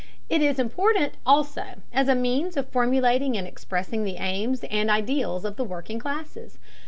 It is important, also, as a means of formulating and expressing the aims and ideals of the working classes.